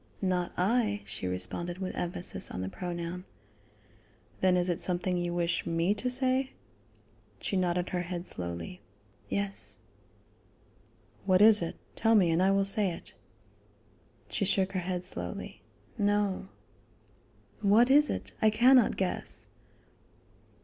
"Not I," she responded with emphasis on the pronoun. "Then is it something you wish me to say?" She nodded her head slowly: "Yes." "What is it? Tell me and I will say it." She shook her head slowly: "No." "What is it? I cannot guess."